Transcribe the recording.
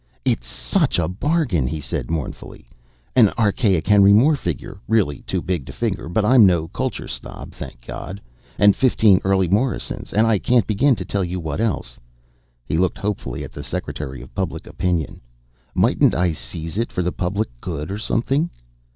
"It's such a bargain," he said mournfully. "An archaic Henry Moore figure really too big to finger, but I'm no culture snob, thank God and fifteen early Morrisons and I can't begin to tell you what else." He looked hopefully at the Secretary of Public Opinion: "Mightn't I seize it for the public good or something?"